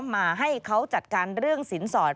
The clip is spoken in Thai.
มาให้เขาจัดการเรื่องสินสอด